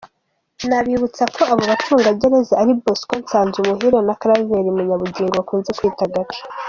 Nabibutsa ko abo bacungagereza ari Bosco Nsanzumuhire na Claver Munyabugingo bakunze kwita Gaca.